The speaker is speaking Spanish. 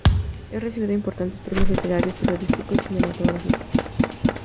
Ha recibido importantes premios literarios, periodísticos y cinematográficos.